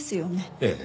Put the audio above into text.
ええ。